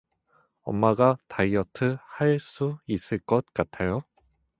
엄마가 다이어트 할 수 있을 것 같아요?